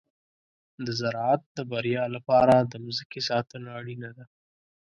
د زراعت د بریا لپاره د مځکې ساتنه اړینه ده.